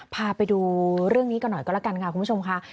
พาไปดูเรื่องนี้กันหน่อยก็แล้วกันค่ะคุณผู้ชมค่ะ